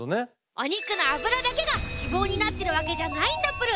お肉の脂だけが脂肪になってるわけじゃないんだプル。